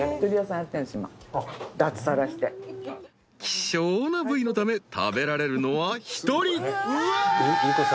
［希少な部位のため食べられるのは一人］ゆう子さん。